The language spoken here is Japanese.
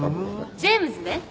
ジェームズね。